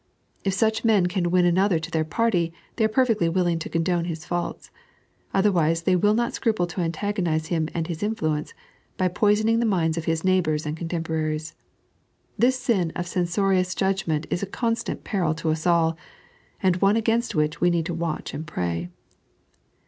If such men can win anoQter to their party, they are perfectly willing to condone hie faulte ; otherwise they will not scruple to antagonise him and his influence, by poiHoning the minds of bis neighbours and contemporaries. This sin of censorious judgment is a constant peril to us all, and one against which we need to watch and pray.